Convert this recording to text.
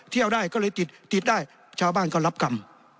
เที่ยวได้ก็เลยติดติดได้ชาวบ้านก็รับกรรม